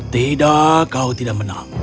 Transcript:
tidak kau tidak menang